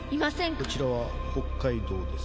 「こちらは北海道です」